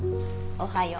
おはよう。